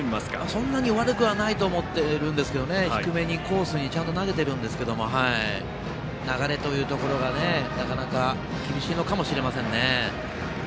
そんなに悪くはないと思っているんですけど低めにコースにちゃんと投げているんですけど流れというところが、なかなか厳しいのかもしれませんね。